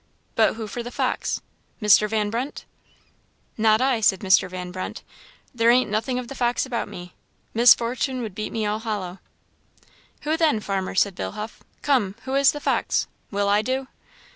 But who for the fox? Mr. Van Brunt? "Not I," said Mr. Van Brunt "there ain't nothing of the fox about me; Miss Fortune would beat me all hollow." "Who then, farmer?" said Bill Huff; "come! who is the fox? Will I do?"